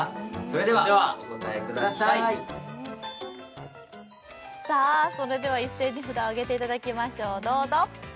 それではお答えくださいさあそれでは一斉に札を上げていただきましょうどうぞ！